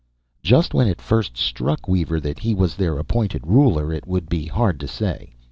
Just when it first struck Weaver that he was their appointed ruler it would be hard to say.